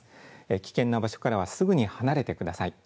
危険な場所からはすぐに離れてください。